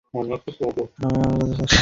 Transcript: আমি তোমার ছেলেকে খুন করিনি।